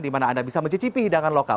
di mana anda bisa mencicipi hidangan lokal